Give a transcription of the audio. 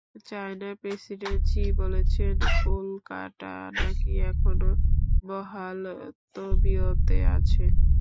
চায়নার president Xi বলছেন, উল্কাটা নাকি এখনও বহাল তবিয়তে আছে!